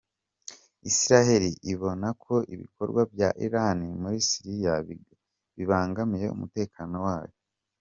Isiraheli ibona ko ibikorwa bya Irani muri Syria bibangamiye umutekano wayo.